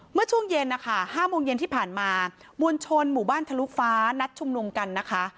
เมื่อช่วงเย็นนะคะ๕โมงเย็นที่ผ่านมามวลชนหมู่บ้านทะลุฟ้านัดชุมนุมกันนะคะ